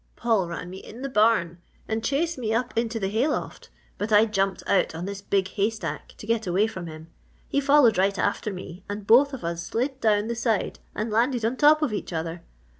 _ Page 148] "Paul ran me in the barn and chased me up into the hayloft but I jumped out on this big haystack to get away from him. He followed right after me and both of us slid down the side and landed on top of each other.